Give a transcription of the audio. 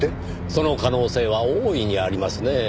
その可能性は大いにありますねぇ。